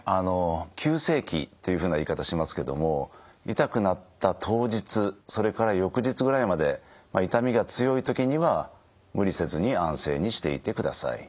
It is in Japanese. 急性期っていうふうな言い方しますけども痛くなった当日それから翌日ぐらいまで痛みが強い時には無理せずに安静にしていてください。